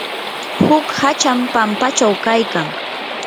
huk hacham pampachaw kaykan.